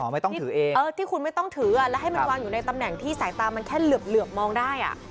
ไม่ต้องถือเองเออที่คุณไม่ต้องถือแล้วให้มันวางอยู่ในตำแหน่งที่สายตามันแค่เหลือบมองได้อ่ะ